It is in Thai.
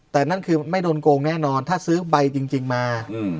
แต่นั่นคือไม่โดนโกงแน่นอนถ้าซื้อใบจริงมา